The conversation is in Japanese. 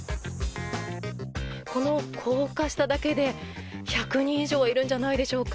この高架下だけで１００人以上いるんじゃないでしょうか。